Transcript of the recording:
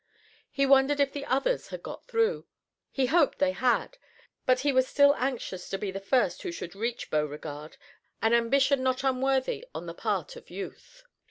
He wondered if the others had got through. He hoped they had, but he was still anxious to be the first who should reach Beauregard, an ambition not unworthy on the part of youth.